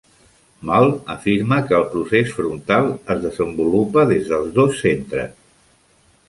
Mall afirma que el procés frontal es desenvolupa des dels dos centres.